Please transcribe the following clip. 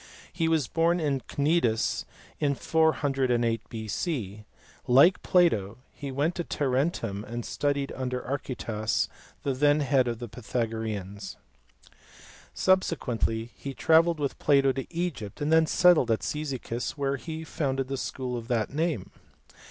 He was born in Cnidus in 408 B.C. Like Plato, he went to Tarentum and studied under Archytas the then head of the Pythagoreans. Subsequently he travelled with Plato to Egypt, and then settled at Cyzicus where he founded the school of that name.